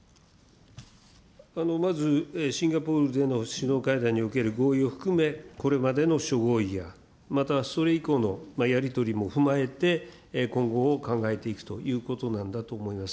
まずシンガポールでの首脳会談における合意を含め、これまでの諸合意や、またそれ以降のやり取りも踏まえて、今後を考えていくということなんだと思います。